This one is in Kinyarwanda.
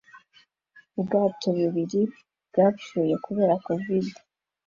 Ubwato bubiri bwapfuye kubera covid